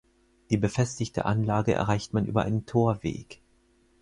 Die befestigte Anlage erreicht man über einen Torweg.